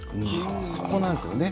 そこなんですよね。